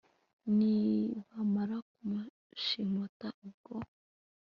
nibamara kumushimuta ubwo